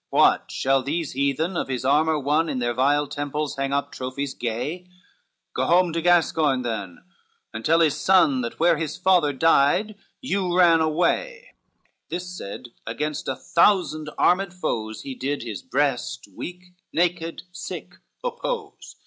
What! shall these heathen of his armor won, In their vile temples hang up trophies gay? Go home to Gascoign then, and tell his son That where his father died, you ran away:" This said, against a thousand armed foes, He did his breast weak, naked, sick, oppose.